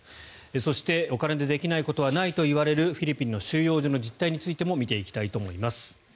そしてお金でできないことはないといわれるフィリピンの収容所の実態についても見ていきたいと思います。